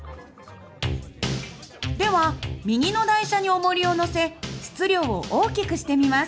では右の台車におもりを載せ質量を大きくしてみます。